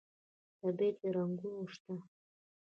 طبیعي رنګونه شته.